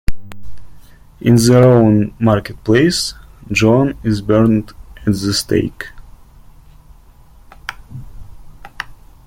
In the Rouen marketplace, Joan is burned at the stake.